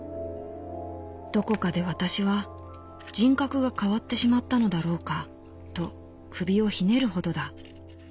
どこかで私は人格が変わってしまったのだろうかと首をひねるほどだ」。